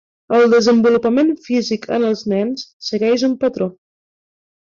El desenvolupament físic en els nens segueix un patró.